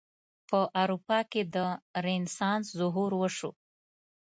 په اروپا کې د رنسانس ظهور وشو.